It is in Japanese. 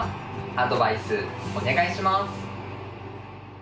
アドバイスお願いします。